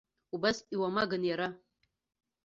Убас иуамаган иара.